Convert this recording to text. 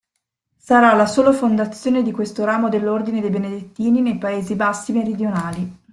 Sarà la sola fondazione di questo ramo dell'ordine dei Benedettini nei Paesi Bassi meridionali.